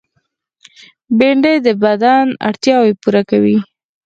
بېنډۍ د بدن اړتیاوې پوره کوي